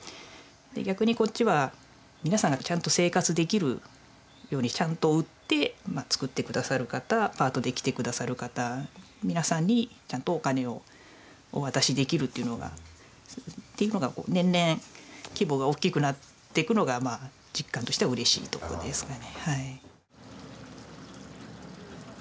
逆にこっちは皆さんがちゃんと生活できるようにちゃんと売って作って下さる方パートで来て下さる方皆さんにちゃんとお金をお渡しできるというのが年々規模が大きくなっていくのが実感としてはうれしいとこですかね。